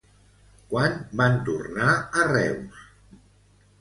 Quan van tornar a Reus?